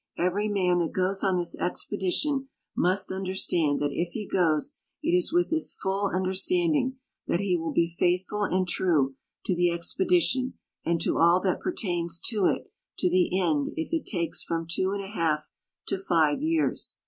Every man that goes on this expedition innst understand that if lu! goes it is with this full understanding that he will be faithful and true to the expedition and to all that pertains to it to the (mkI if it takes from two and a half to five years.